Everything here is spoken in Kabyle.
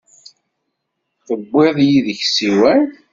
Tewwiḍ yid-k ssiwan?